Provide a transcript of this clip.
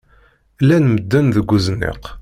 Llan medden deg uzniq.